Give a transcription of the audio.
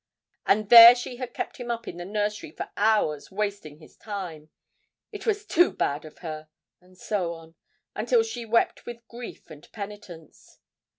And there she had kept him up in the nursery for hours wasting his time! It was too bad of her, and so on, until she wept with grief and penitence.